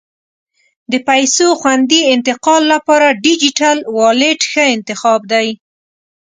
د پیسو خوندي انتقال لپاره ډیجیټل والېټ ښه انتخاب دی.